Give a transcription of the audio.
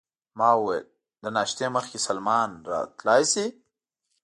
ما وویل: له ناشتې مخکې سلمان راتلای شي؟